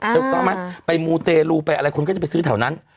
ถูกต้องไหมไปมูเตรลูไปอะไรคนก็จะไปซื้อแถวนั้น